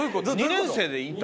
２年生で引退？